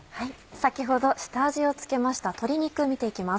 先ほど下味を付けました鶏肉見て行きます。